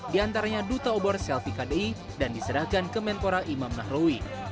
diantaranya duta obor selvi kdi dan diserahkan ke mentora imam nahrawi